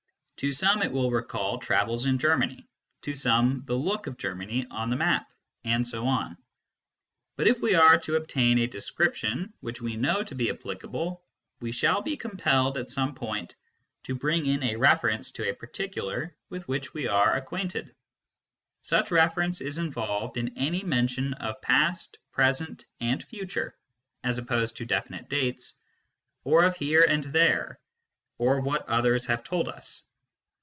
To some it will recall travels in Germany, to some the look of Germany on the map, and so on. But if we are to obtain a description which we know to be applicable, we shall be compelled, at some point, to bring in a reference to a particular with which_we _a_re_ acquainted. v Such reference is involved in any mention of past, present, and future (as opposed to definite dates), orj)fjiere jind there, or of what others have told us.